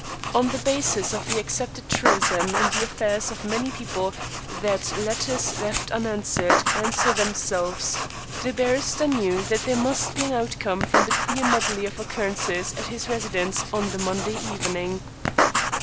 On the basis of the accepted truism in the affairs of many people that "letters left unanswered answer themselves," the barrister knew that there must be an outcome from the queer medley of occurrences at his residence on the Monday evening.